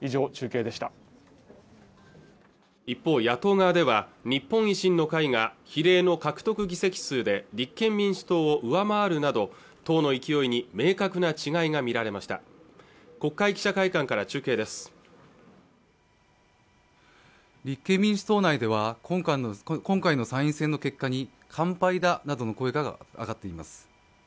以上中継でした一方野党側では日本維新の会が比例の獲得議席数で立憲民主党を上回るなど党の勢いに明確な違いが見られました国会記者会館から中継です立憲民主党内では今回の参院選の結果に完敗だなどの声が上がっています